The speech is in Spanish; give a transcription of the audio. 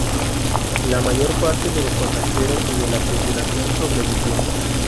La mayor parte de los pasajeros y de la tripulación sobrevivió.